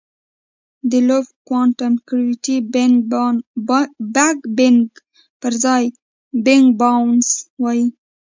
د لوپ کوانټم ګرویټي بګ بنګ پر ځای بګ باؤنس وایي.